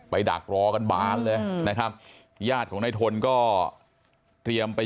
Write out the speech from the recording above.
ไปดักล้อกันบ่านเลยนะครับญาติล้มในทนก็เตรียมไป